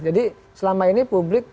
jadi selama ini publik